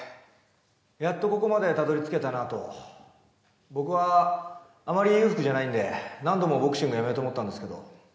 やっとここまでたどり着けたなと僕はあまり裕福じゃないんで何度もボクシングやめようと思ったんですけど